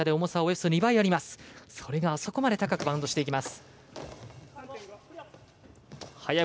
それがあそこまで高くバウンドしていきます。